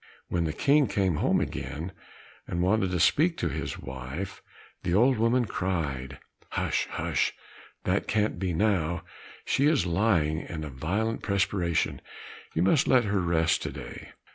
When the King came home again and wanted to speak to his wife, the old woman cried, "Hush, hush, that can't be now, she is lying in a violent perspiration; you must let her rest to day."